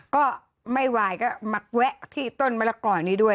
ก็ไม่ไหวก็มาแวะที่ต้นมะละกอนี้ด้วย